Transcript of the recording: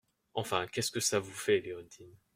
Enfin, qu’est-ce que ça vous fait, Léontine ?